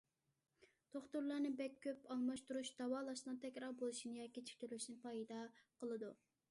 دوختۇرلارنى بەك كۆپ ئالماشتۇرۇش داۋالاشنىڭ تەكرار بولۇشىنى ياكى كېچىكتۈرۈلۈشىنى پەيدا قىلىدۇ.